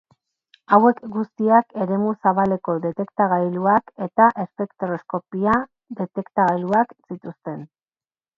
Hauek guztiak Eremu Zabaleko Detektagailuak eta Espektroskopia detektagailuak zituzten.